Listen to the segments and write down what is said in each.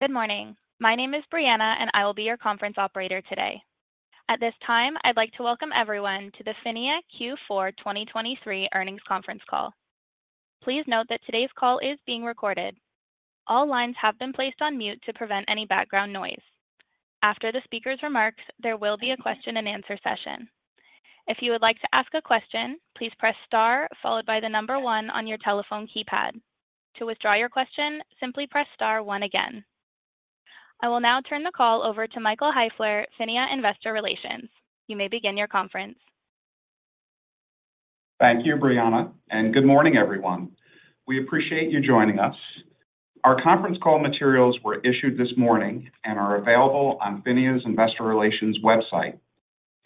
Good morning. My name is Brianna, and I will be your conference operator today. At this time, I'd like to welcome everyone to the PHINIA Q4 2023 earnings conference call. Please note that today's call is being recorded. All lines have been placed on mute to prevent any background noise. After the speaker's remarks, there will be a question-and-answer session. If you would like to ask a question, please press star followed by the number one on your telephone keypad. To withdraw your question, simply press star one again. I will now turn the call over to Michael Heifler, PHINIA Investor Relations. You may begin your conference. Thank you, Brianna, and good morning, everyone. We appreciate you joining us. Our conference call materials were issued this morning and are available on PHINIA's Investor Relations website,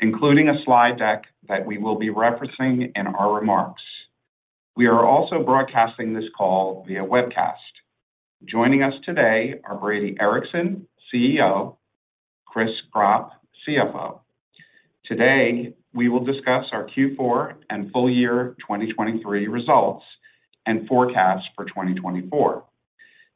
including a slide deck that we will be referencing in our remarks. We are also broadcasting this call via webcast. Joining us today are Brady Ericson, CEO, and Chris Gropp, CFO. Today we will discuss our Q4 and full year 2023 results and forecasts for 2024.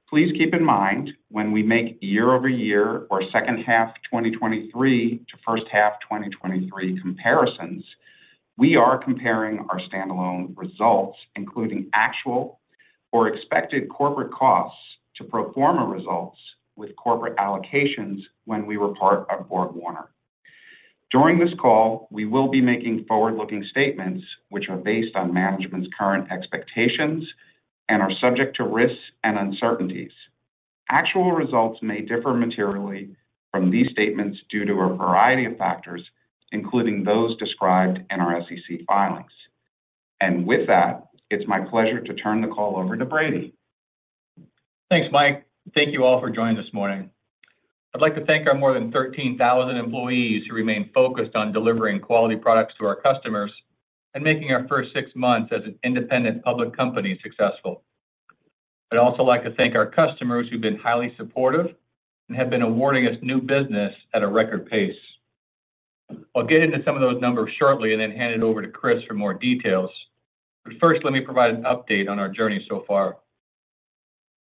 Please keep in mind, when we make year-over-year or second-half 2023 to first-half 2023 comparisons, we are comparing our standalone results, including actual or expected corporate costs to pro forma results with corporate allocations when we were part of BorgWarner. During this call, we will be making forward-looking statements which are based on management's current expectations and are subject to risks and uncertainties. Actual results may differ materially from these statements due to a variety of factors, including those described in our SEC filings. With that, it's my pleasure to turn the call over to Brady. Thanks, Mike. Thank you all for joining this morning. I'd like to thank our more than 13,000 employees who remain focused on delivering quality products to our customers and making our first six months as an independent public company successful. I'd also like to thank our customers who've been highly supportive and have been awarding us new business at a record pace. I'll get into some of those numbers shortly and then hand it over to Chris for more details, but first let me provide an update on our journey so far.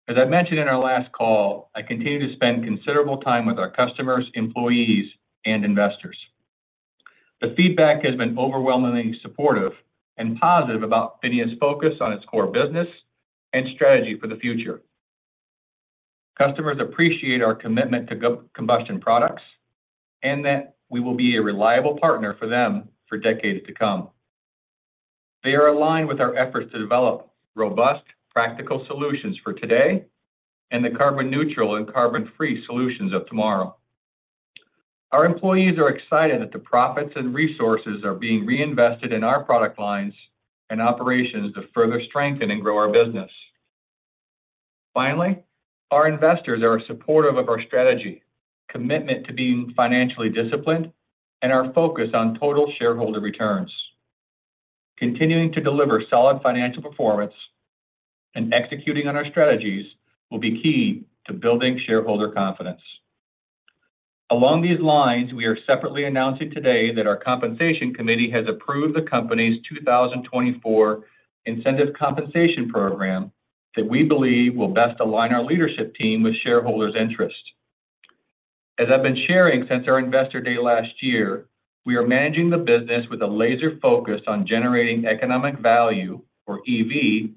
As I mentioned in our last call, I continue to spend considerable time with our customers, employees, and investors. The feedback has been overwhelmingly supportive and positive about PHINIA's focus on its core business and strategy for the future. Customers appreciate our commitment to combustion products and that we will be a reliable partner for them for decades to come. They are aligned with our efforts to develop robust, practical solutions for today and the carbon-neutral and carbon-free solutions of tomorrow. Our employees are excited that the profits and resources are being reinvested in our product lines and operations to further strengthen and grow our business. Finally, our investors are supportive of our strategy, commitment to being financially disciplined, and our focus on total shareholder returns. Continuing to deliver solid financial performance and executing on our strategies will be key to building shareholder confidence. Along these lines, we are separately announcing today that our compensation committee has approved the company's 2024 incentive compensation program that we believe will best align our leadership team with shareholders' interests. As I've been sharing since our investor day last year, we are managing the business with a laser focus on generating economic value, or EV,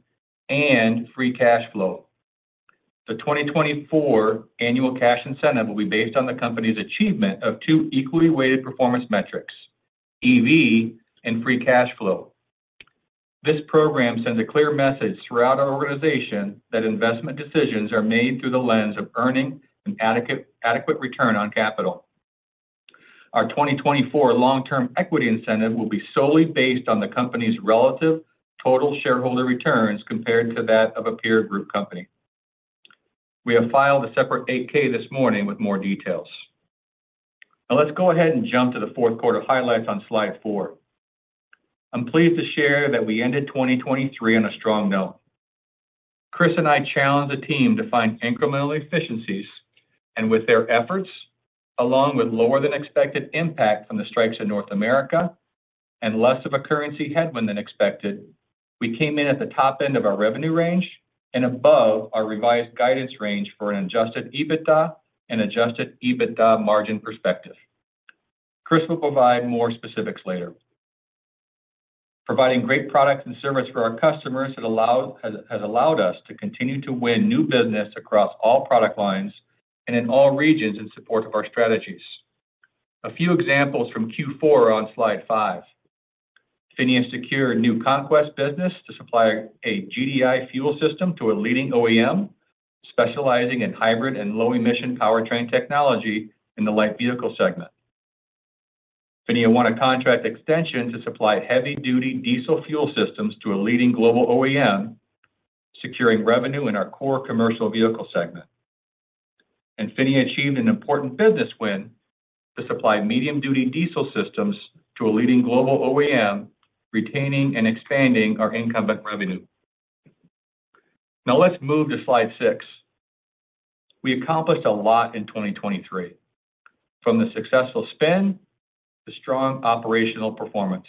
and free cash flow. The 2024 annual cash incentive will be based on the company's achievement of two equally weighted performance metrics: EV and free cash flow. This program sends a clear message throughout our organization that investment decisions are made through the lens of earning an adequate return on capital. Our 2024 long-term equity incentive will be solely based on the company's relative total shareholder returns compared to that of a peer group company. We have filed a separate 8-K this morning with more details. Now let's go ahead and jump to the fourth quarter highlights on slide four. I'm pleased to share that we ended 2023 on a strong note. Chris and I challenged the team to find incremental efficiencies, and with their efforts, along with lower-than-expected impact from the strikes in North America and less of a currency headwind than expected, we came in at the top end of our revenue range and above our revised guidance range for an Adjusted EBITDA and Adjusted EBITDA margin perspective. Chris will provide more specifics later. Providing great products and services for our customers has allowed us to continue to win new business across all product lines and in all regions in support of our strategies. A few examples from Q4 are on slide five. PHINIA secured new Conquest business to supply a GDI fuel system to a leading OEM specializing in hybrid and low-emission powertrain technology in the light vehicle segment. PHINIA won a contract extension to supply heavy-duty diesel fuel systems to a leading global OEM, securing revenue in our core commercial vehicle segment. PHINIA achieved an important business win to supply medium-duty diesel systems to a leading global OEM, retaining and expanding our incumbent revenue. Now let's move to slide six. We accomplished a lot in 2023 from the successful spend to strong operational performance.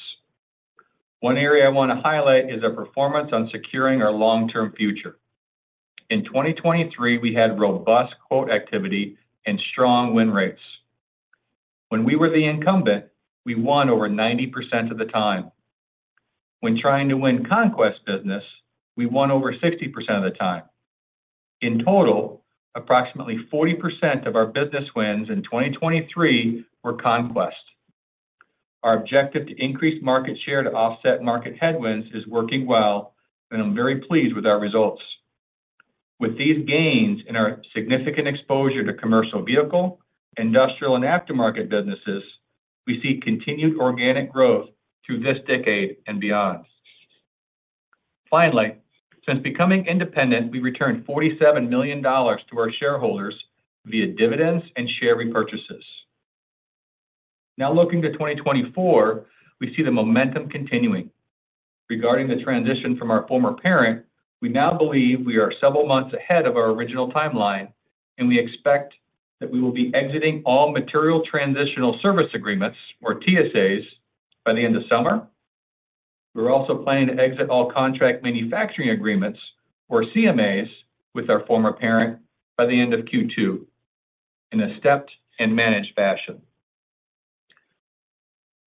One area I want to highlight is our performance on securing our long-term future. In 2023, we had robust quote activity and strong win rates. When we were the incumbent, we won over 90% of the time. When trying to win Conquest business, we won over 60% of the time. In total, approximately 40% of our business wins in 2023 were Conquest. Our objective to increase market share to offset market headwinds is working well, and I'm very pleased with our results. With these gains and our significant exposure to commercial vehicle, industrial, and aftermarket businesses, we see continued organic growth through this decade and beyond. Finally, since becoming independent, we returned $47 million to our shareholders via dividends and share repurchases. Now looking to 2024, we see the momentum continuing. Regarding the transition from our former parent, we now believe we are several months ahead of our original timeline, and we expect that we will be exiting all material transitional service agreements, or TSAs, by the end of summer. We're also planning to exit all contract manufacturing agreements, or CMAs, with our former parent by the end of Q2 in a stepped and managed fashion.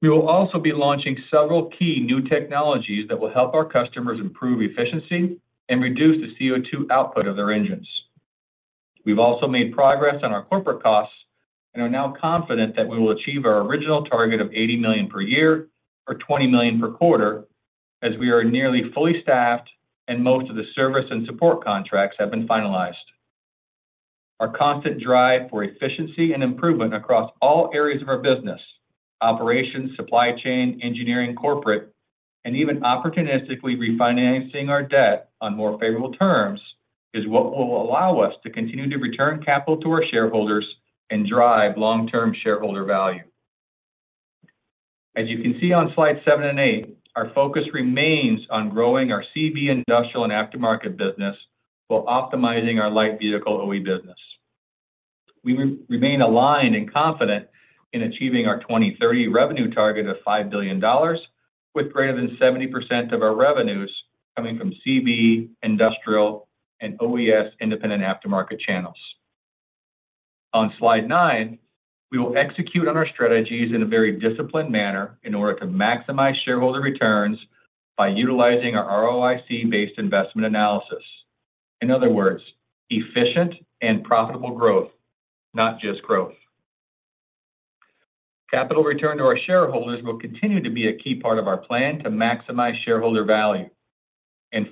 We will also be launching several key new technologies that will help our customers improve efficiency and reduce the CO2 output of their engines. We've also made progress on our corporate costs and are now confident that we will achieve our original target of $80 million per year or $20 million per quarter as we are nearly fully staffed and most of the service and support contracts have been finalized. Our constant drive for efficiency and improvement across all areas of our business (operations, supply chain, engineering, corporate, and even opportunistically refinancing our debt on more favorable terms) is what will allow us to continue to return capital to our shareholders and drive long-term shareholder value. As you can see on slides seven and eight, our focus remains on growing our CB industrial and aftermarket business while optimizing our light vehicle OE business. We remain aligned and confident in achieving our 2030 revenue target of $5 billion, with greater than 70% of our revenues coming from CB industrial and OES independent aftermarket channels. On slide nine, we will execute on our strategies in a very disciplined manner in order to maximize shareholder returns by utilizing our ROIC-based investment analysis. In other words, efficient and profitable growth, not just growth. Capital return to our shareholders will continue to be a key part of our plan to maximize shareholder value.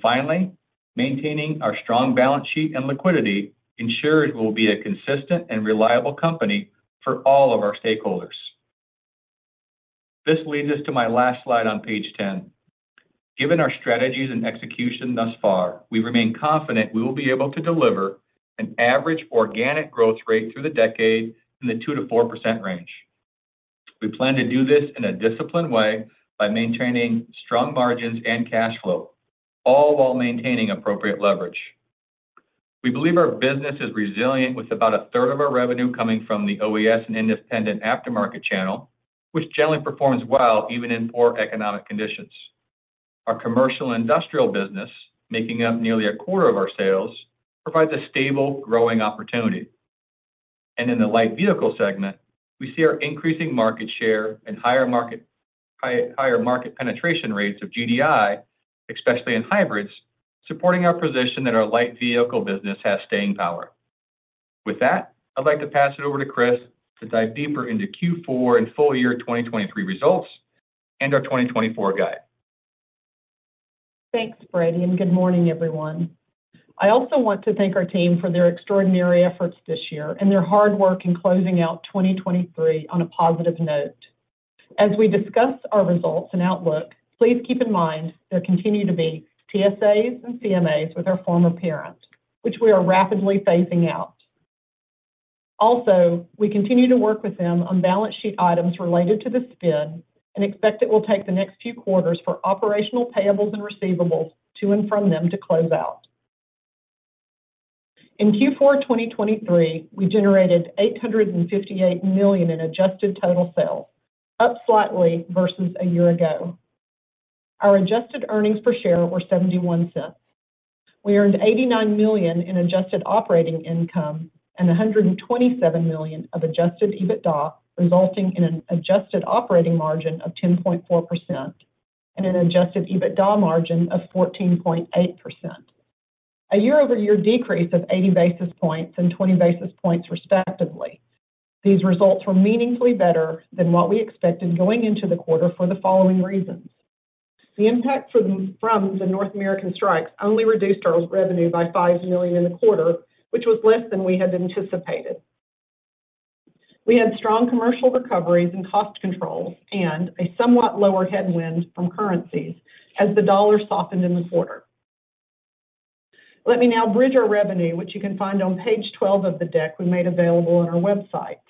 Finally, maintaining our strong balance sheet and liquidity ensures we will be a consistent and reliable company for all of our stakeholders. This leads us to my last slide on page 10. Given our strategies and execution thus far, we remain confident we will be able to deliver an average organic growth rate through the decade in the 2%-4% range. We plan to do this in a disciplined way by maintaining strong margins and cash flow, all while maintaining appropriate leverage. We believe our business is resilient with about a third of our revenue coming from the OES and independent aftermarket channel, which generally performs well even in poor economic conditions. Our commercial industrial business, making up nearly a quarter of our sales, provides a stable growing opportunity. In the light vehicle segment, we see our increasing market share and higher market penetration rates of GDI, especially in hybrids, supporting our position that our light vehicle business has staying power. With that, I'd like to pass it over to Chris to dive deeper into Q4 and full year 2023 results and our 2024 guide. Thanks, Brady, and good morning, everyone. I also want to thank our team for their extraordinary efforts this year and their hard work in closing out 2023 on a positive note. As we discuss our results and outlook, please keep in mind there continue to be TSAs and CMAs with our former parent, which we are rapidly phasing out. Also, we continue to work with them on balance sheet items related to the spin-off and expect it will take the next few quarters for operational payables and receivables to inform them to close out. In Q4 2023, we generated $858 million in adjusted total sales, up slightly versus a year ago. Our adjusted earnings per share were $0.71. We earned $89 million in adjusted operating income and $127 million of adjusted EBITDA, resulting in an adjusted operating margin of 10.4% and an adjusted EBITDA margin of 14.8%. A year-over-year decrease of 80 basis points and 20 basis points, respectively. These results were meaningfully better than what we expected going into the quarter for the following reasons. The impact from the North American strikes only reduced our revenue by $5 million in the quarter, which was less than we had anticipated. We had strong commercial recoveries and cost controls and a somewhat lower headwind from currencies as the dollar softened in the quarter. Let me now bridge our revenue, which you can find on page 12 of the deck we made available on our website.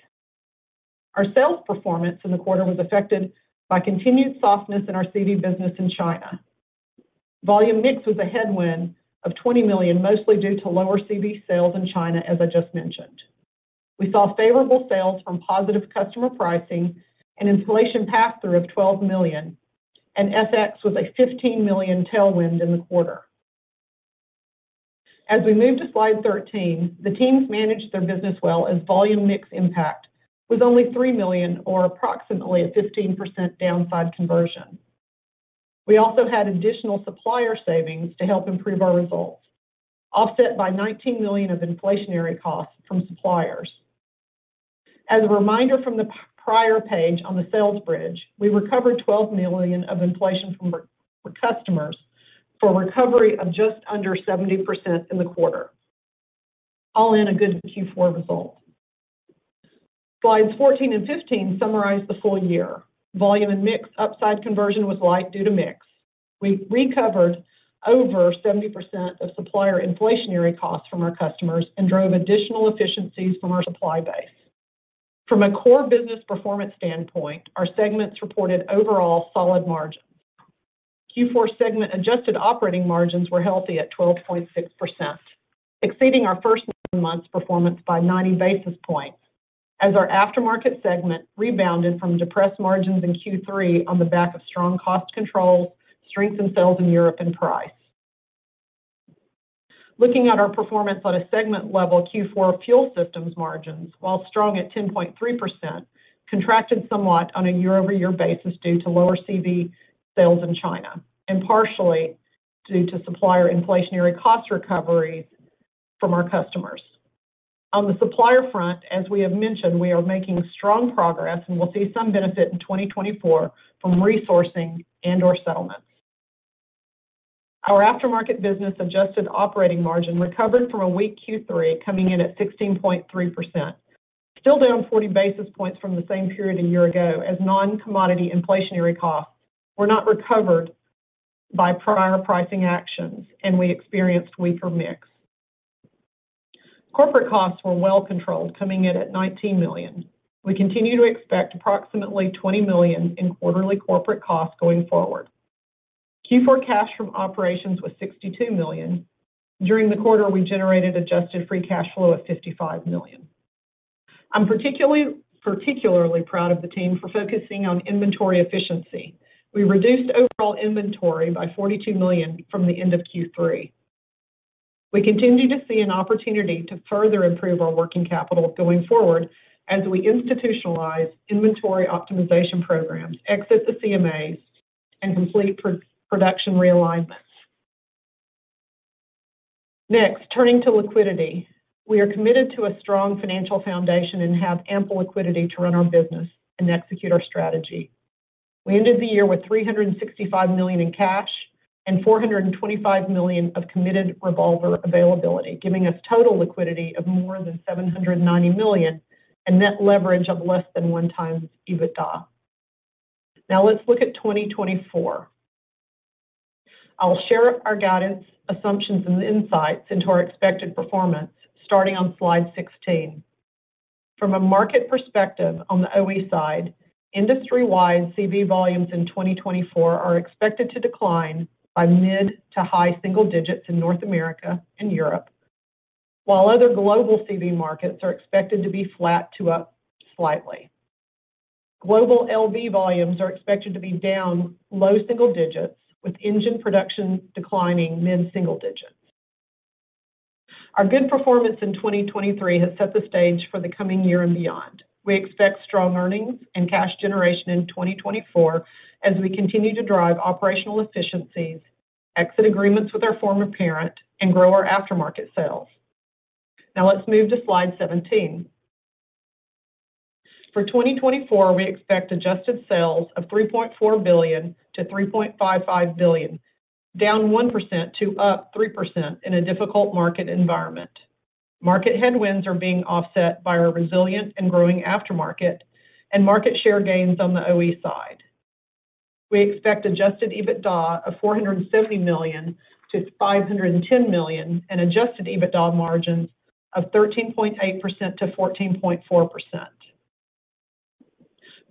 Our sales performance in the quarter was affected by continued softness in our CV business in China. Volume mix was a headwind of $20 million, mostly due to lower CV sales in China, as I just mentioned. We saw favorable sales from positive customer pricing and inflation pass-through of $12 million, and FX was a $15 million tailwind in the quarter. As we move to slide 13, the team's managed their business well as volume mix impact was only $3 million or approximately a 15% downside conversion. We also had additional supplier savings to help improve our results, offset by $19 million of inflationary costs from suppliers. As a reminder from the prior page on the sales bridge, we recovered $12 million of inflation from customers for recovery of just under 70% in the quarter. All in a good Q4 result. Slides 14 and 15 summarize the full year. Volume and mix upside conversion was light due to mix. We recovered over 70% of supplier inflationary costs from our customers and drove additional efficiencies from our supply base. From a core business performance standpoint, our segments reported overall solid margins. Q4 segment adjusted operating margins were healthy at 12.6%, exceeding our first month's performance by 90 basis points, as our aftermarket segment rebounded from depressed margins in Q3 on the back of strong cost controls, strength in sales in Europe, and price. Looking at our performance on a segment level, Q4 fuel systems margins, while strong at 10.3%, contracted somewhat on a year-over-year basis due to lower CV sales in China and partially due to supplier inflationary cost recoveries from our customers. On the supplier front, as we have mentioned, we are making strong progress, and we'll see some benefit in 2024 from resourcing and/or settlements. Our aftermarket business adjusted operating margin recovered from a weak Q3, coming in at 16.3%, still down 40 basis points from the same period a year ago, as non-commodity inflationary costs were not recovered by prior pricing actions, and we experienced weaker mix. Corporate costs were well controlled, coming in at $19 million. We continue to expect approximately $20 million in quarterly corporate costs going forward. Q4 cash from operations was $62 million. During the quarter, we generated adjusted free cash flow of $55 million. I'm particularly proud of the team for focusing on inventory efficiency. We reduced overall inventory by $42 million from the end of Q3. We continue to see an opportunity to further improve our working capital going forward as we institutionalize inventory optimization programs, exit the CMAs, and complete production realignments. Next, turning to liquidity, we are committed to a strong financial foundation and have ample liquidity to run our business and execute our strategy. We ended the year with $365 million in cash and $425 million of committed revolver availability, giving us total liquidity of more than $790 million and net leverage of less than one times EBITDA. Now let's look at 2024. I'll share our guidance, assumptions, and insights into our expected performance, starting on slide 16. From a market perspective on the OE side, industry-wide CV volumes in 2024 are expected to decline by mid to high single digits in North America and Europe, while other global CV markets are expected to be flat to up slightly. Global LV volumes are expected to be down low single digits, with engine production declining mid single digits. Our good performance in 2023 has set the stage for the coming year and beyond. We expect strong earnings and cash generation in 2024 as we continue to drive operational efficiencies, exit agreements with our former parent, and grow our aftermarket sales. Now let's move to slide 17. For 2024, we expect adjusted sales of $3.4 billion-$3.55 billion, down 1% to up 3% in a difficult market environment. Market headwinds are being offset by our resilient and growing aftermarket and market share gains on the OE side. We expect adjusted EBITDA of $470 million-$510 million and adjusted EBITDA margins of 13.8%-14.4%.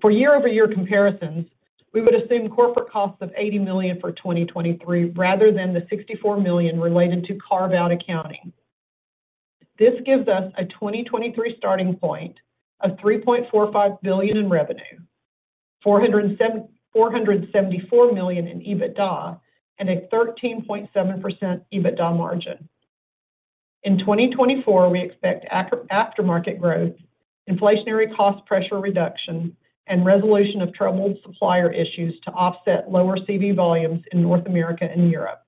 For year-over-year comparisons, we would assume corporate costs of $80 million for 2023 rather than the $64 million related to carve-out accounting. This gives us a 2023 starting point of $3.45 billion in revenue, $474 million in EBITDA, and a 13.7% EBITDA margin. In 2024, we expect aftermarket growth, inflationary cost pressure reduction, and resolution of troubled supplier issues to offset lower CV volumes in North America and Europe.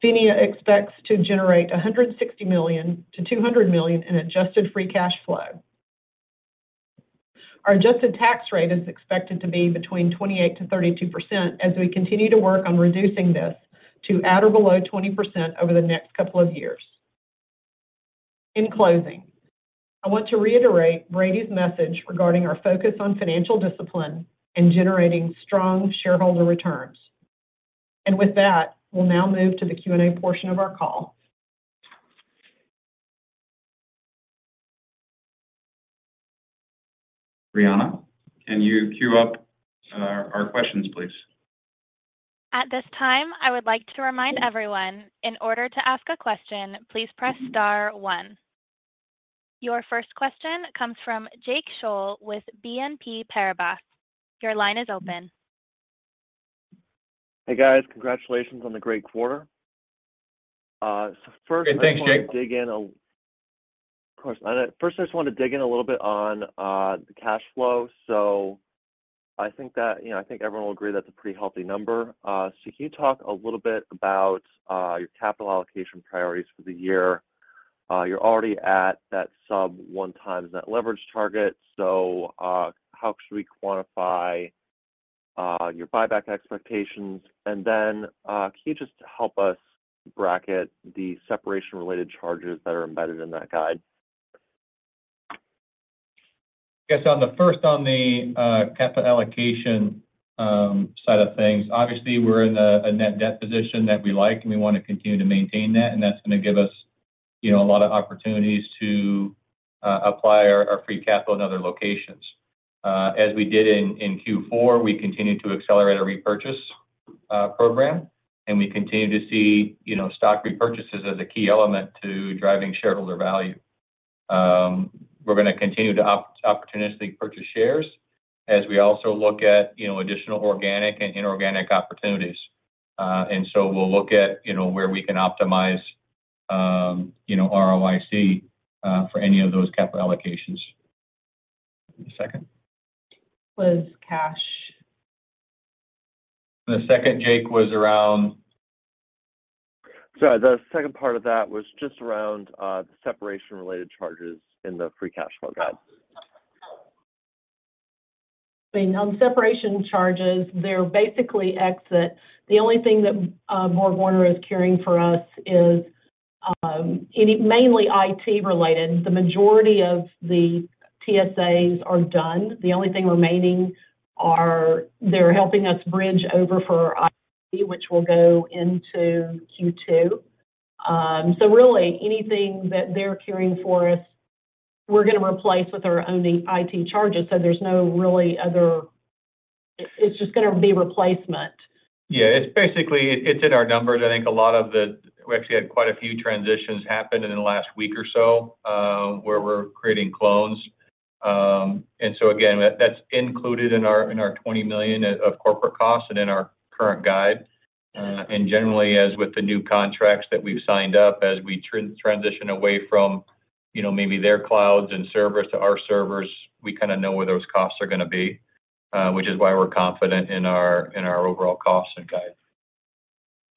PHINIA expects to generate $160 million-$200 million in adjusted free cash flow. Our adjusted tax rate is expected to be between 28%-32% as we continue to work on reducing this to at or below 20% over the next couple of years. In closing, I want to reiterate Brady's message regarding our focus on financial discipline and generating strong shareholder returns. With that, we'll now move to the Q&A portion of our call. Brianna, can you cue up our questions, please? At this time, I would like to remind everyone, in order to ask a question, please press star one. Your first question comes from Jake Scholl with BNP Paribas. Your line is open. Hey, guys. Congratulations on the great quarter. First. Hey, thanks, Jake. Of course, first, I just want to dig in a little bit on the cash flow. So I think everyone will agree that's a pretty healthy number. So can you talk a little bit about your capital allocation priorities for the year? You're already at that sub-1 times net leverage target. So how should we quantify your buyback expectations? And then can you just help us bracket the separation-related charges that are embedded in that guide? Yes. First, on the capital allocation side of things, obviously, we're in a net debt position that we like, and we want to continue to maintain that. That's going to give us a lot of opportunities to apply our free capital in other locations. As we did in Q4, we continue to accelerate our repurchase program, and we continue to see stock repurchases as a key element to driving shareholder value. We're going to continue to opportunistically purchase shares as we also look at additional organic and inorganic opportunities. So we'll look at where we can optimize ROIC for any of those capital allocations. The second. Was cash. The second, Jake, was around. Sorry. The second part of that was just around the separation-related charges in the free cash flow guide. I mean, on separation charges, they're basically exit. The only thing that BorgWarner is caring for us is mainly IT-related. The majority of the TSAs are done. The only thing remaining are they're helping us bridge over for our IT, which will go into Q2. So really, anything that they're caring for us, we're going to replace with our own IT charges. So there's no really other it's just going to be replacement. Yeah. It's in our numbers. I think a lot of the we actually had quite a few transitions happen in the last week or so where we're creating clones. And so again, that's included in our $20 million of corporate costs and in our current guide. And generally, as with the new contracts that we've signed up, as we transition away from maybe their clouds and servers to our servers, we kind of know where those costs are going to be, which is why we're confident in our overall costs and guide.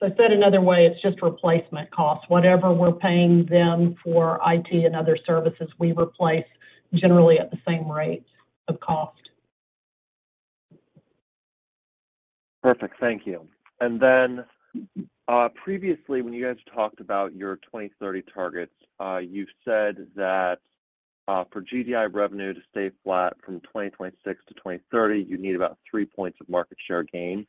So said another way, it's just replacement costs. Whatever we're paying them for IT and other services, we replace generally at the same rate of cost. Perfect. Thank you. And then previously, when you guys talked about your 2030 targets, you said that for GDI revenue to stay flat from 2026 to 2030, you need about three points of market share gain.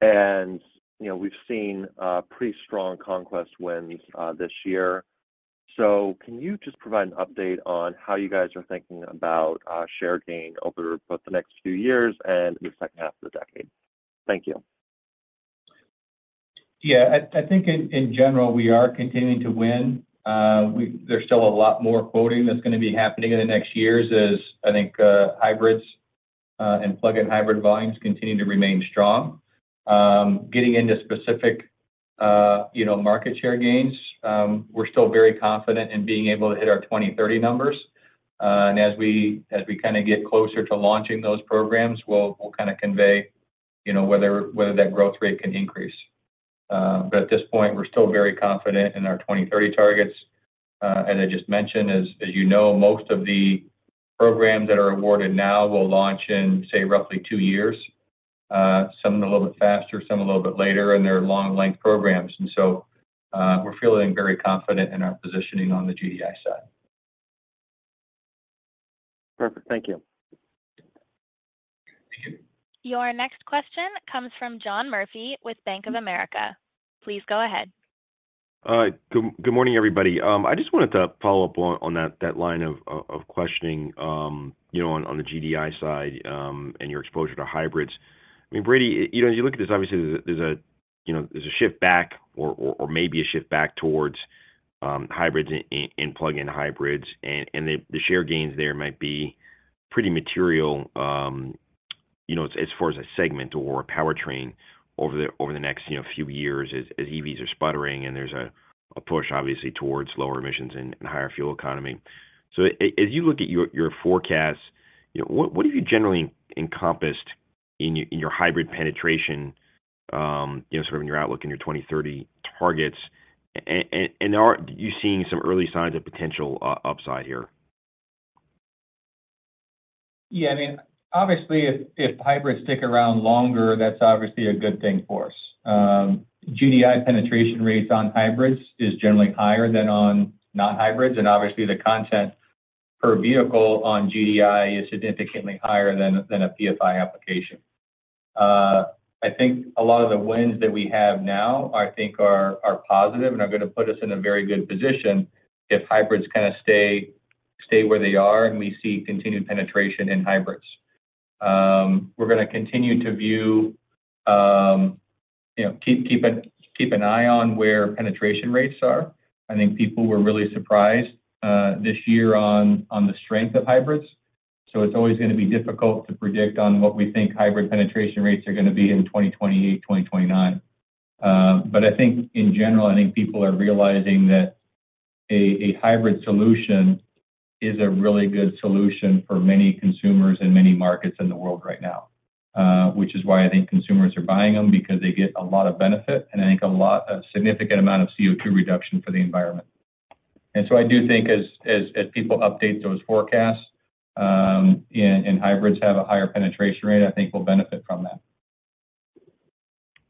And we've seen pretty strong conquest wins this year. So can you just provide an update on how you guys are thinking about share gain over both the next few years and the second half of the decade? Thank you. Yeah. I think in general, we are continuing to win. There's still a lot more quoting that's going to be happening in the next years as I think hybrids and plug-in hybrid volumes continue to remain strong. Getting into specific market share gains, we're still very confident in being able to hit our 2030 numbers. And as we kind of get closer to launching those programs, we'll kind of convey whether that growth rate can increase. But at this point, we're still very confident in our 2030 targets. As I just mentioned, as you know, most of the programs that are awarded now will launch in, say, roughly two years. Some a little bit faster, some a little bit later, and they're long-length programs. And so we're feeling very confident in our positioning on the GDI side. Perfect. Thank you. Your next question comes from John Murphy with Bank of America. Please go ahead. Hi. Good morning, everybody. I just wanted to follow up on that line of questioning on the GDI side and your exposure to hybrids. I mean, Brady, as you look at this, obviously, there's a shift back or maybe a shift back towards hybrids and plug-in hybrids. The share gains there might be pretty material as far as a segment or a powertrain over the next few years as EVs are sputtering and there's a push, obviously, towards lower emissions and higher fuel economy. As you look at your forecasts, what have you generally encompassed in your hybrid penetration, sort of in your outlook and your 2030 targets? And are you seeing some early signs of potential upside here? Yeah. I mean, obviously, if hybrids stick around longer, that's obviously a good thing for us. GDI penetration rates on hybrids is generally higher than on non-hybrids. And obviously, the content per vehicle on GDI is significantly higher than a PFI application. I think a lot of the wins that we have now, I think, are positive and are going to put us in a very good position if hybrids kind of stay where they are and we see continued penetration in hybrids. We're going to continue to view keep an eye on where penetration rates are. I think people were really surprised this year on the strength of hybrids. So it's always going to be difficult to predict on what we think hybrid penetration rates are going to be in 2028, 2029. But I think in general, I think people are realizing that a hybrid solution is a really good solution for many consumers in many markets in the world right now, which is why I think consumers are buying them because they get a lot of benefit and I think a significant amount of CO2 reduction for the environment. And so I do think as people update those forecasts and hybrids have a higher penetration rate, I think we'll benefit from that.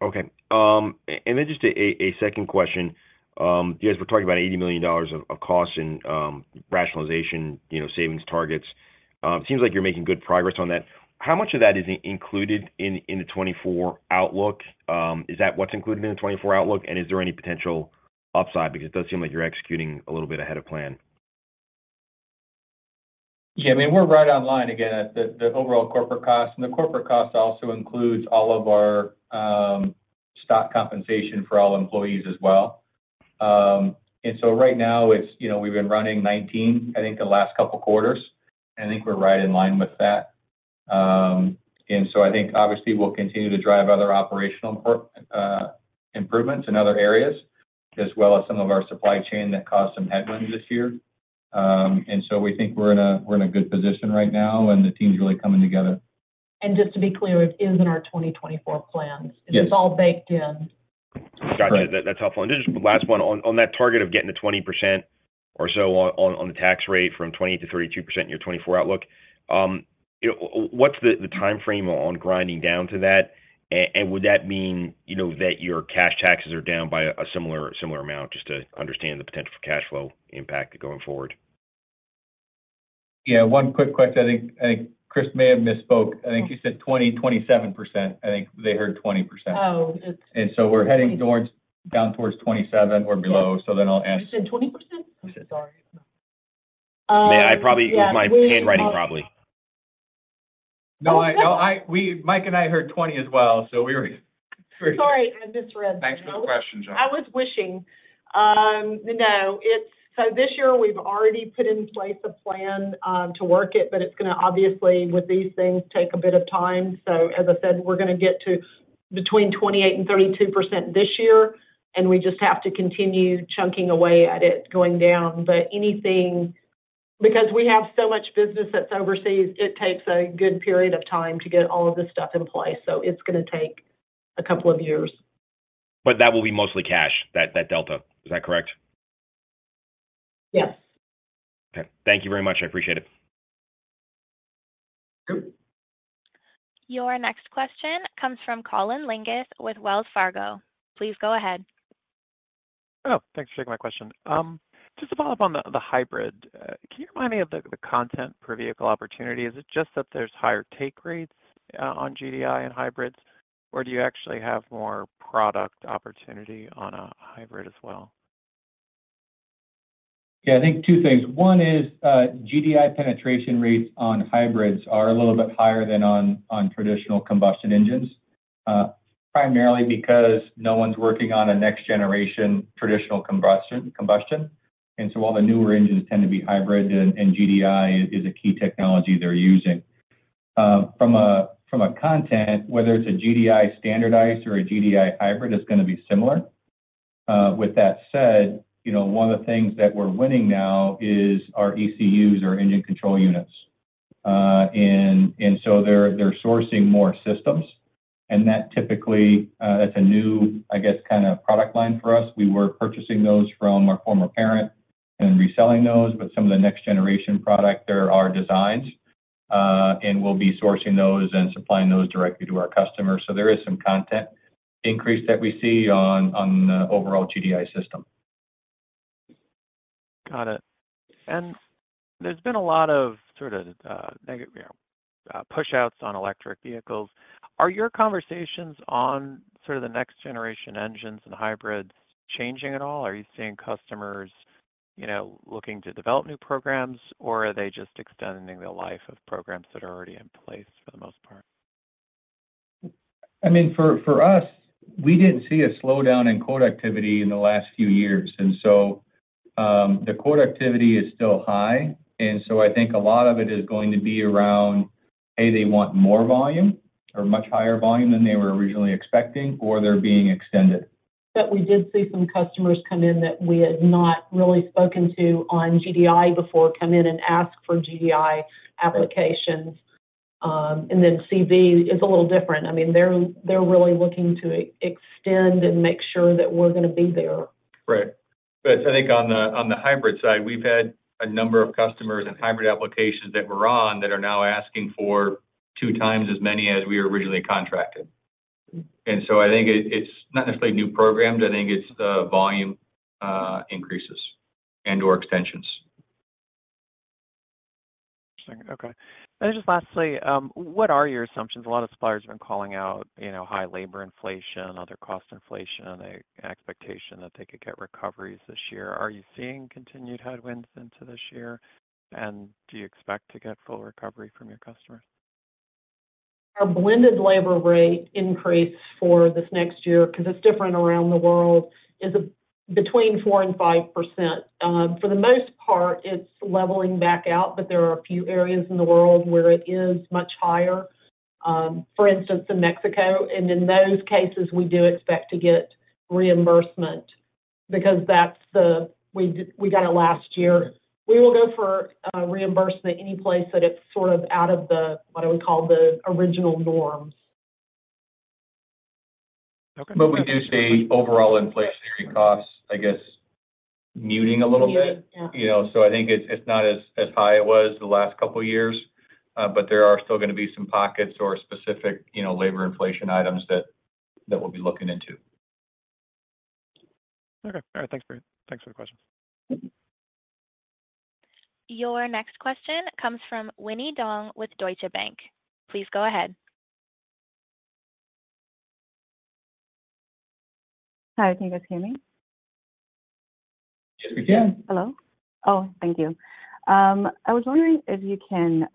Okay. And then just a second question. You guys were talking about $80 million of costs and rationalization savings targets. It seems like you're making good progress on that. How much of that is included in the 2024 outlook? Is that what's included in the 2024 outlook? And is there any potential upside? Because it does seem like you're executing a little bit ahead of plan. Yeah. I mean, we're right on line. Again, the overall corporate costs. And the corporate costs also includes all of our stock compensation for all employees as well. And so right now, we've been running $19, I think, the last couple of quarters. And I think we're right in line with that. And so I think, obviously, we'll continue to drive other operational improvements in other areas as well as some of our supply chain that caused some headwinds this year. And so we think we're in a good position right now, and the team's really coming together. Just to be clear, it is in our 2024 plans. It's all baked in. Gotcha. That's helpful. And just last one, on that target of getting to 20% or so on the tax rate from 28%-32% in your 2024 outlook, what's the timeframe on grinding down to that? And would that mean that your cash taxes are down by a similar amount, just to understand the potential for cash flow impact going forward? Yeah. One quick question. I think Chris may have misspoke. I think you said 20.27%. I think they heard 20%. Oh, it's. And so we're heading down towards 27 or below. So then I'll ask. You said 20%? Sorry. May I probably use my handwriting, probably? No, Mike and I heard 20 as well. So we were very. Sorry. I misread. Thanks for the question, John. I was wishing. No, so this year, we've already put in place a plan to work it, but it's going to, obviously, with these things, take a bit of time. So as I said, we're going to get to between 28% and 32% this year, and we just have to continue chunking away at it going down. But anything because we have so much business that's overseas, it takes a good period of time to get all of this stuff in place. So it's going to take a couple of years. But that will be mostly cash, that delta. Is that correct? Yes. Okay. Thank you very much. I appreciate it. Your next question comes from Colin Langan with Wells Fargo. Please go ahead. Oh, thanks for taking my question. Just to follow up on the hybrid, can you remind me of the content per vehicle opportunity? Is it just that there's higher take rates on GDI and hybrids, or do you actually have more product opportunity on a hybrid as well? Yeah. I think two things. One is GDI penetration rates on hybrids are a little bit higher than on traditional combustion engines, primarily because no one's working on a next-generation traditional combustion. And so all the newer engines tend to be hybrid, and GDI is a key technology they're using. From a content, whether it's a GDI standardized or a GDI hybrid is going to be similar. With that said, one of the things that we're winning now is our ECUs, our engine control units. And so they're sourcing more systems. And that's a new, I guess, kind of product line for us. We were purchasing those from our former parent and reselling those. But some of the next-generation product, there are designs, and we'll be sourcing those and supplying those directly to our customers. So there is some content increase that we see on the overall GDI system. Got it. And there's been a lot of sort of pushouts on electric vehicles. Are your conversations on sort of the next-generation engines and hybrids changing at all? Are you seeing customers looking to develop new programs, or are they just extending the life of programs that are already in place for the most part? I mean, for us, we didn't see a slowdown in quote activity in the last few years. And so the quote activity is still high. And so I think a lot of it is going to be around, "Hey, they want more volume or much higher volume than they were originally expecting, or they're being extended. That we did see some customers come in that we had not really spoken to on GDI before come in and ask for GDI applications. And then CV is a little different. I mean, they're really looking to extend and make sure that we're going to be there. Right. But I think on the hybrid side, we've had a number of customers and hybrid applications that were won that are now asking for two times as many as we originally contracted. And so I think it's not necessarily new programs. I think it's the volume increases and/or extensions. Interesting. Okay. And then just lastly, what are your assumptions? A lot of suppliers have been calling out high labor inflation, other cost inflation, and the expectation that they could get recoveries this year. Are you seeing continued headwinds into this year? And do you expect to get full recovery from your customers? Our blended labor rate increase for this next year because it's different around the world is between 4%-5%. For the most part, it's leveling back out, but there are a few areas in the world where it is much higher, for instance, in Mexico. In those cases, we do expect to get reimbursement because we got it last year. We will go for reimbursement any place that it's sort of out of the, what do we call, the original norms. But we do see overall inflationary costs, I guess, muting a little bit. So I think it's not as high as it was the last couple of years, but there are still going to be some pockets or specific labor inflation items that we'll be looking into. Okay. All right. Thanks for the questions. Your next question comes from Winnie Dong with Deutsche Bank. Please go ahead. Hi. Can you guys hear me? Yes, we can. Hello? Oh, thank you. I was wondering if you can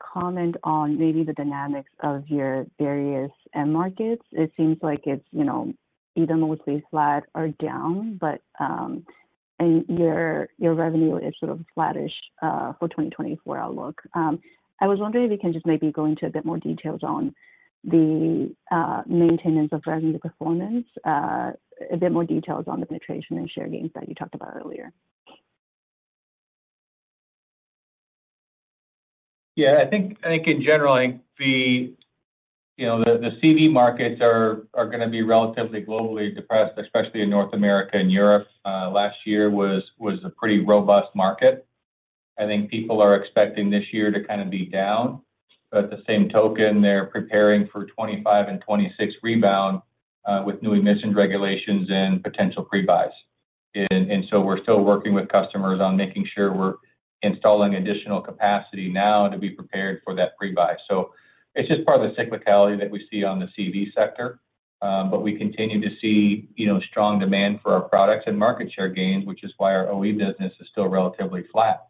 comment on maybe the dynamics of your various end markets. It seems like it's either mostly flat or down, and your revenue is sort of flattish for 2024 outlook. I was wondering if you can just maybe go into a bit more details on the maintenance of revenue performance, a bit more details on the penetration and share gains that you talked about earlier. Yeah. I think in general, the CV markets are going to be relatively globally depressed, especially in North America and Europe. Last year was a pretty robust market. I think people are expecting this year to kind of be down. But at the same token, they're preparing for 2025 and 2026 rebound with new emissions regulations and potential prebuys. And so we're still working with customers on making sure we're installing additional capacity now to be prepared for that prebuy. So it's just part of the cyclicality that we see on the CV sector. But we continue to see strong demand for our products and market share gains, which is why our OE business is still relatively flat.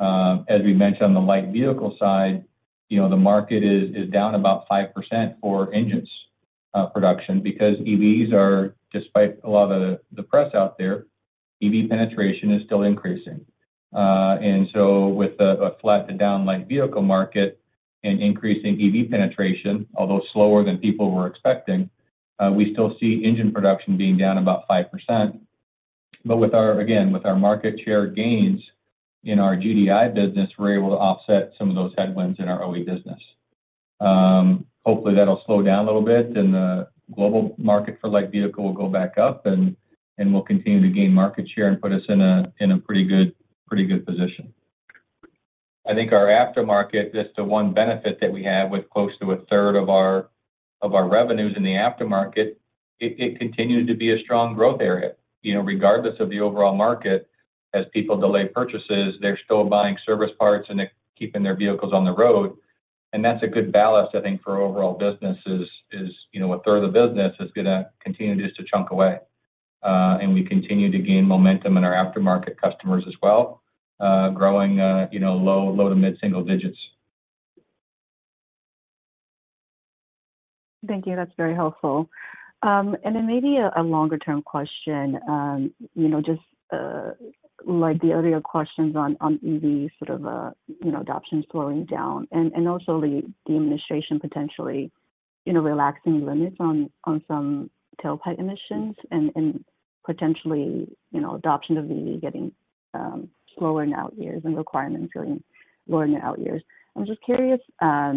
As we mentioned, on the light vehicle side, the market is down about 5% for engines production because EVs are, despite a lot of the press out there, EV penetration is still increasing. So with a flat to down light vehicle market and increasing EV penetration, although slower than people were expecting, we still see engine production being down about 5%. But again, with our market share gains in our GDI business, we're able to offset some of those headwinds in our OE business. Hopefully, that'll slow down a little bit, and the global market for light vehicle will go back up, and we'll continue to gain market share and put us in a pretty good position. I think our aftermarket, just the one benefit that we have with close to a third of our revenues in the aftermarket, it continues to be a strong growth area. Regardless of the overall market, as people delay purchases, they're still buying service parts and keeping their vehicles on the road. And that's a good balance, I think, for overall business is a third of the business is going to continue just to chunk away. And we continue to gain momentum in our aftermarket customers as well, growing low- to mid-single digits. Thank you. That's very helpful. And then maybe a longer-term question, just like the earlier questions on EV sort of adoption slowing down and also the administration potentially relaxing limits on some tailpipe emissions and potentially adoption of EV getting slower in out years and requirements feeling lower in the out years, I'm just curious, as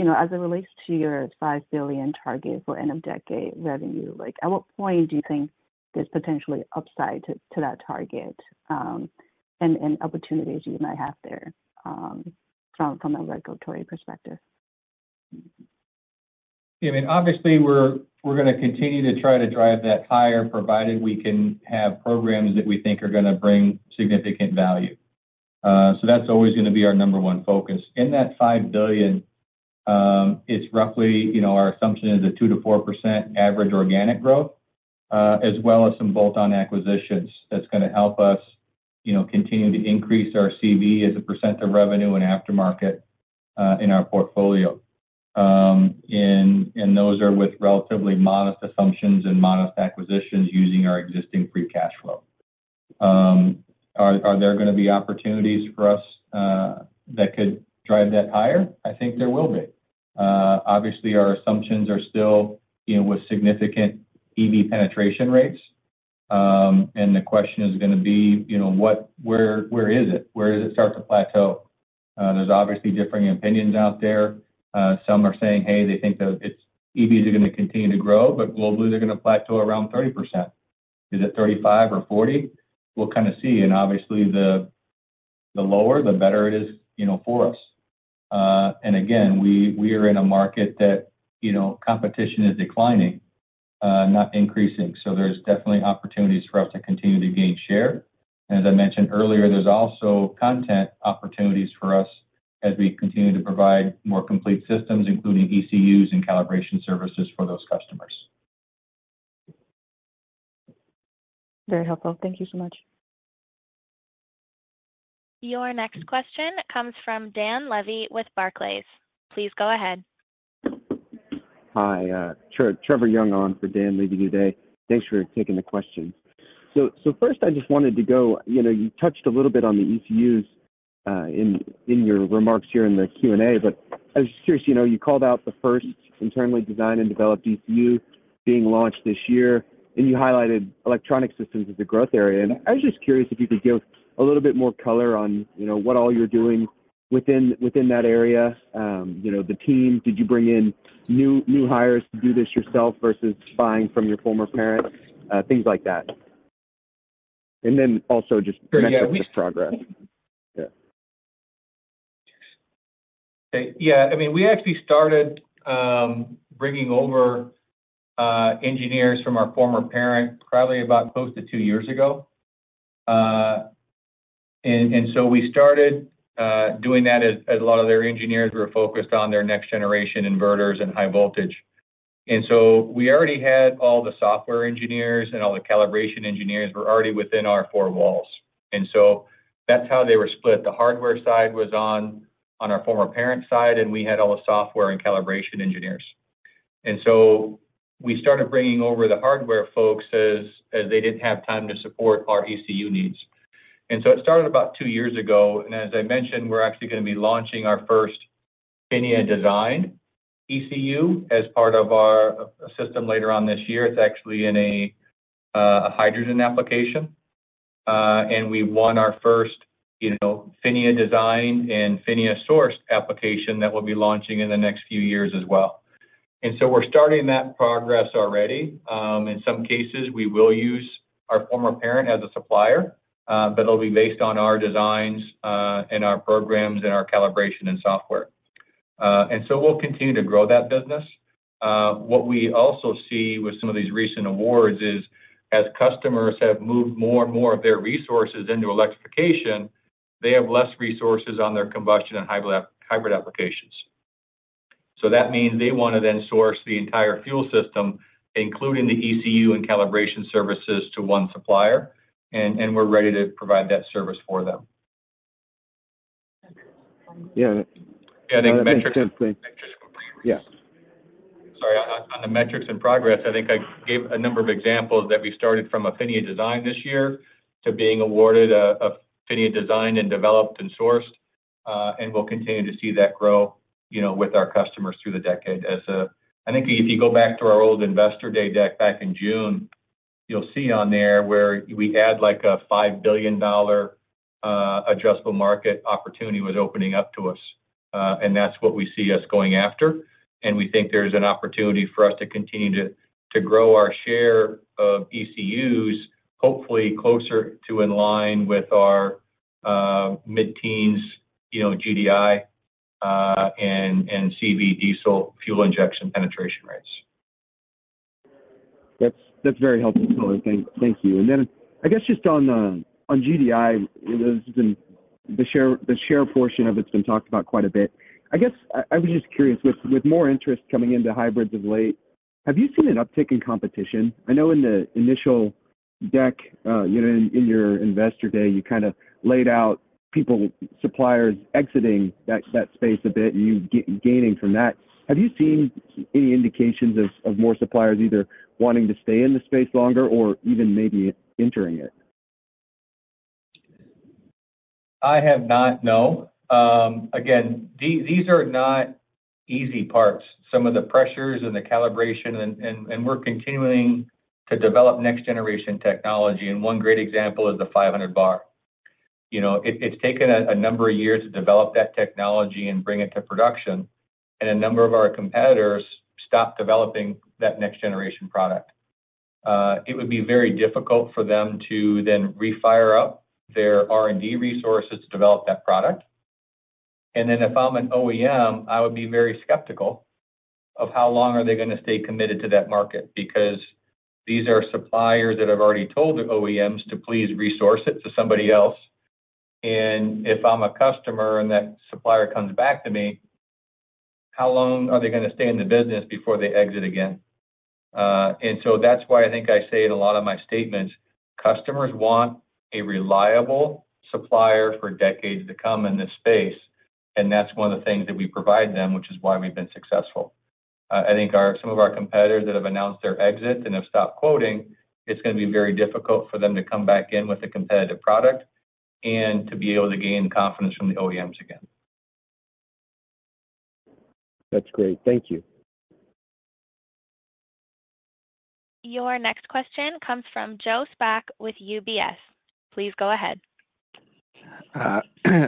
it relates to your $5 billion target for end-of-decade revenue, at what point do you think there's potentially upside to that target and opportunities you might have there from a regulatory perspective? Yeah. I mean, obviously, we're going to continue to try to drive that higher provided we can have programs that we think are going to bring significant value. So that's always going to be our number one focus. In that $5 billion, our assumption is a 2%-4% average organic growth as well as some bolt-on acquisitions that's going to help us continue to increase our CV as a percent of revenue and aftermarket in our portfolio. And those are with relatively modest assumptions and modest acquisitions using our existing free cash flow. Are there going to be opportunities for us that could drive that higher? I think there will be. Obviously, our assumptions are still with significant EV penetration rates. And the question is going to be, where is it? Where does it start to plateau? There's obviously differing opinions out there. Some are saying, "Hey, they think that EVs are going to continue to grow, but globally, they're going to plateau around 30%. Is it 35 or 40?" We'll kind of see. And obviously, the lower, the better it is for us. And again, we are in a market that competition is declining, not increasing. So there's definitely opportunities for us to continue to gain share. And as I mentioned earlier, there's also content opportunities for us as we continue to provide more complete systems, including ECUs and calibration services for those customers. Very helpful. Thank you so much. Your next question comes from Dan Levy with Barclays. Please go ahead. Hi. Trevor Young on for Dan Levy today. Thanks for taking the question. So first, I just wanted to go you touched a little bit on the ECUs in your remarks here in the Q&A, but I was just curious. You called out the first internally designed and developed ECU being launched this year, and you highlighted electronic systems as a growth area. And I was just curious if you could give a little bit more color on what all you're doing within that area, the team. Did you bring in new hires to do this yourself versus buying from your former parent, things like that? And then also just connect to this progress. Yeah. I mean, we actually started bringing over engineers from our former parent probably about close to two years ago. And so we started doing that. As a lot of their engineers were focused on their next-generation inverters and high voltage. And so we already had all the software engineers and all the calibration engineers were already within our four walls. And so that's how they were split. The hardware side was on our former parent side, and we had all the software and calibration engineers. And so we started bringing over the hardware folks as they didn't have time to support our ECU needs. And so it started about two years ago. And as I mentioned, we're actually going to be launching our first PHINIA designed ECU as part of our system later on this year. It's actually in a hydrogen application. We won our first PHINIA designed and PHINIA sourced application that we'll be launching in the next few years as well. We're starting that progress already. In some cases, we will use our former parent as a supplier, but it'll be based on our designs and our programs and our calibration and software. We'll continue to grow that business. What we also see with some of these recent awards is as customers have moved more and more of their resources into electrification, they have less resources on their combustion and hybrid applications. That means they want to then source the entire fuel system, including the ECU and calibration services, to one supplier. We're ready to provide that service for them. Yeah. Yeah. I think metrics and progress. Sorry. On the metrics and progress, I think I gave a number of examples that we started from a PHINIA design this year to being awarded a PHINIA designed and developed and sourced. And we'll continue to see that grow with our customers through the decade. I think if you go back to our old Investor Day deck back in June, you'll see on there where we add like a $5 billion adjustable market opportunity was opening up to us. And that's what we see us going after. And we think there's an opportunity for us to continue to grow our share of ECUs, hopefully closer to in line with our mid-teens GDI and CV diesel fuel injection penetration rates. That's very helpful, Brady. Thank you. And then I guess just on GDI, the share portion of it's been talked about quite a bit. I guess I was just curious, with more interest coming into hybrids of late, have you seen an uptick in competition? I know in the initial deck in your Investor Day, you kind of laid out suppliers exiting that space a bit and you gaining from that. Have you seen any indications of more suppliers either wanting to stay in the space longer or even maybe entering it? I have not, no. Again, these are not easy parts. Some of the pressures and the calibration and we're continuing to develop next-generation technology. And one great example is the 500 bar. It's taken a number of years to develop that technology and bring it to production. And a number of our competitors stopped developing that next-generation product. It would be very difficult for them to then refire up their R&D resources to develop that product. And then if I'm an OEM, I would be very skeptical of how long are they going to stay committed to that market because these are suppliers that have already told their OEMs to please resource it to somebody else. And if I'm a customer and that supplier comes back to me, how long are they going to stay in the business before they exit again? And so that's why I think I say in a lot of my statements, customers want a reliable supplier for decades to come in this space. And that's one of the things that we provide them, which is why we've been successful. I think some of our competitors that have announced their exit and have stopped quoting, it's going to be very difficult for them to come back in with a competitive product and to be able to gain confidence from the OEMs again. That's great. Thank you. Your next question comes from Joe Spak with UBS. Please go ahead.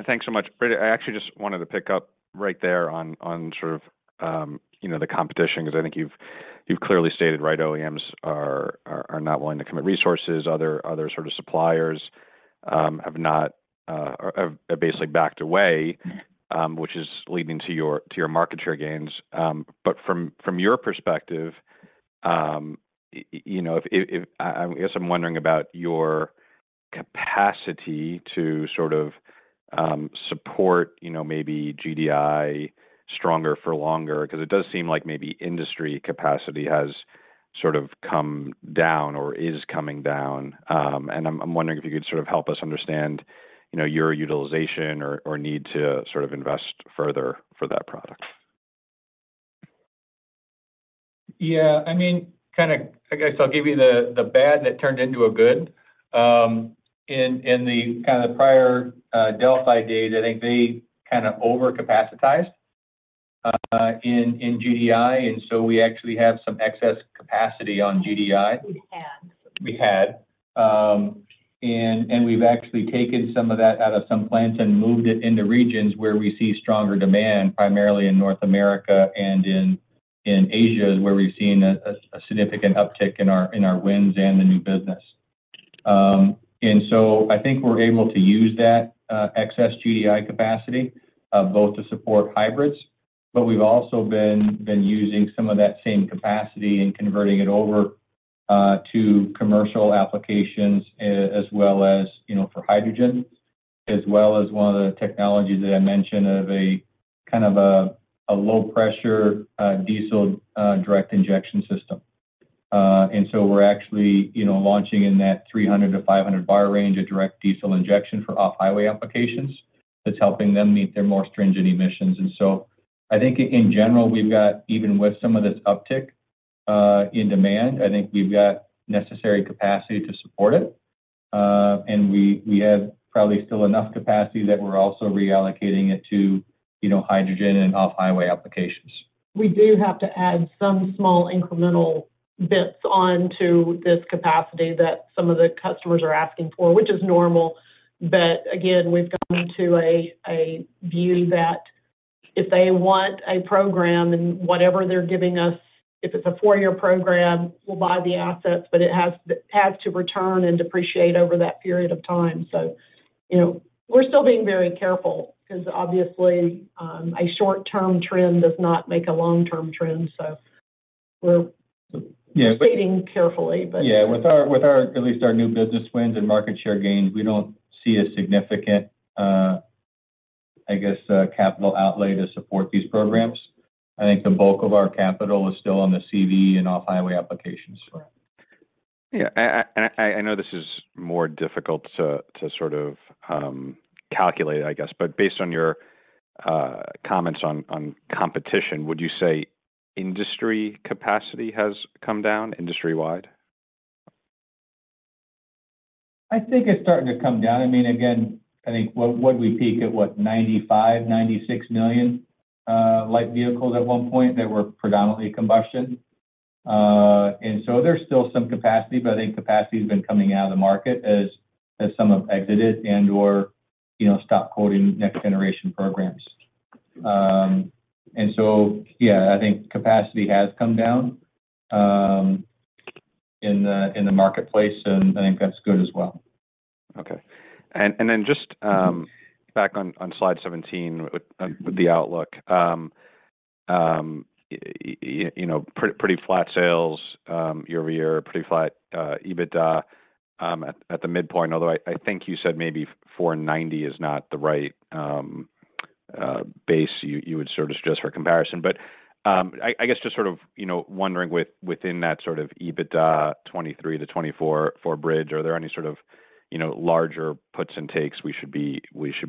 Thanks so much, Brady. I actually just wanted to pick up right there on sort of the competition because I think you've clearly stated right, OEMs are not willing to commit resources. Other sort of suppliers have basically backed away, which is leading to your market share gains. But from your perspective, I guess I'm wondering about your capacity to sort of support maybe GDI stronger for longer because it does seem like maybe industry capacity has sort of come down or is coming down. And I'm wondering if you could sort of help us understand your utilization or need to sort of invest further for that product. Yeah. I mean, kind of I guess I'll give you the bad that turned into a good. In kind of the prior Delphi days, I think they kind of overcapacitized in GDI. And so we actually have some excess capacity on GDI. We had. We had. We've actually taken some of that out of some plants and moved it into regions where we see stronger demand, primarily in North America and in Asia where we've seen a significant uptick in our wins and the new business. I think we're able to use that excess GDI capacity both to support hybrids, but we've also been using some of that same capacity and converting it over to commercial applications as well as for hydrogen, as well as one of the technologies that I mentioned of kind of a low-pressure diesel direct injection system. We're actually launching in that 300 bar-500 bar range of direct diesel injection for off-highway applications that's helping them meet their more stringent emissions. I think, in general, even with some of this uptick in demand, I think we've got necessary capacity to support it. We have probably still enough capacity that we're also reallocating it to hydrogen and off-highway applications. We do have to add some small incremental bits onto this capacity that some of the customers are asking for, which is normal. But again, we've gotten to a view that if they want a program and whatever they're giving us, if it's a four-year program, we'll buy the assets, but it has to return and depreciate over that period of time. So we're still being very careful because, obviously, a short-term trend does not make a long-term trend. So we're proceeding carefully, but. Yeah. With at least our new business wins and market share gains, we don't see a significant, I guess, capital outlay to support these programs. I think the bulk of our capital is still on the CV and off-highway applications. Yeah. And I know this is more difficult to sort of calculate, I guess. But based on your comments on competition, would you say industry capacity has come down industry-wide? I think it's starting to come down. I mean, again, I think what'd we peak at, what, 95 million-96 million light vehicles at one point that were predominantly combustion? And so there's still some capacity, but I think capacity has been coming out of the market as some have exited and/or stopped quoting next-generation programs. And so yeah, I think capacity has come down in the marketplace, and I think that's good as well. Okay. And then just back on slide 17 with the outlook, pretty flat sales year-over-year, pretty flat EBITDA at the midpoint, although I think you said maybe $490 is not the right base you would sort of suggest for comparison. But I guess just sort of wondering, within that sort of EBITDA 2023 to 2024 for Bridge, are there any sort of larger puts and takes we should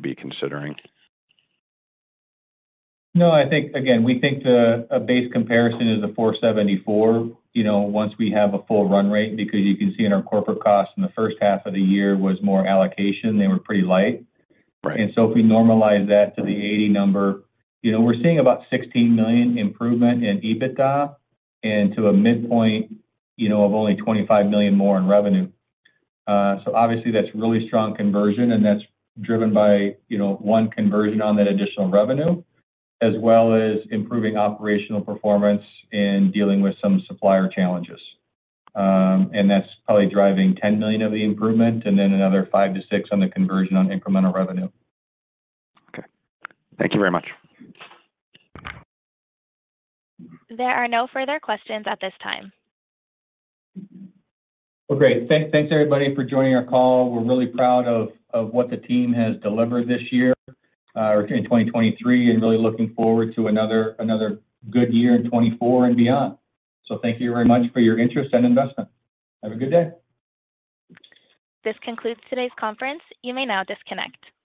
be considering? No. Again, we think a base comparison is a 474 once we have a full run rate because you can see in our corporate costs, in the first half of the year, was more allocation. They were pretty light. And so if we normalize that to the 80 number, we're seeing about $16 million improvement in EBITDA and to a midpoint of only $25 million more in revenue. So obviously, that's really strong conversion, and that's driven by one conversion on that additional revenue as well as improving operational performance and dealing with some supplier challenges. And that's probably driving $10 million of the improvement and then another $5-$6 on the conversion on incremental revenue. Okay. Thank you very much. There are no further questions at this time. Well, great. Thanks, everybody, for joining our call. We're really proud of what the team has delivered this year in 2023 and really looking forward to another good year in 2024 and beyond. So thank you very much for your interest and investment. Have a good day. This concludes today's conference. You may now disconnect.